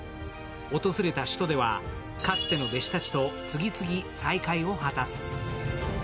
訪れた首都ではかつての弟子たちと次々、再会を果たす。